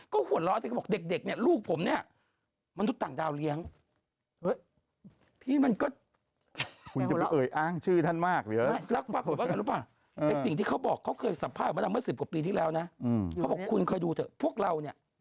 ก็หัวเราะเลยเขาบอกเด็กเนี่ยลูกผมเนี่ย